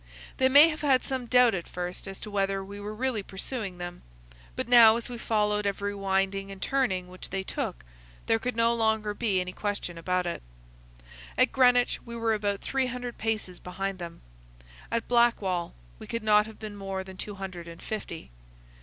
They may have had some doubt at first as to whether we were really pursuing them, but now as we followed every winding and turning which they took there could no longer be any question about it. At Greenwich we were about three hundred paces behind them. At Blackwall we could not have been more than two hundred and fifty.